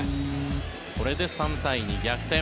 これで３対２、逆転。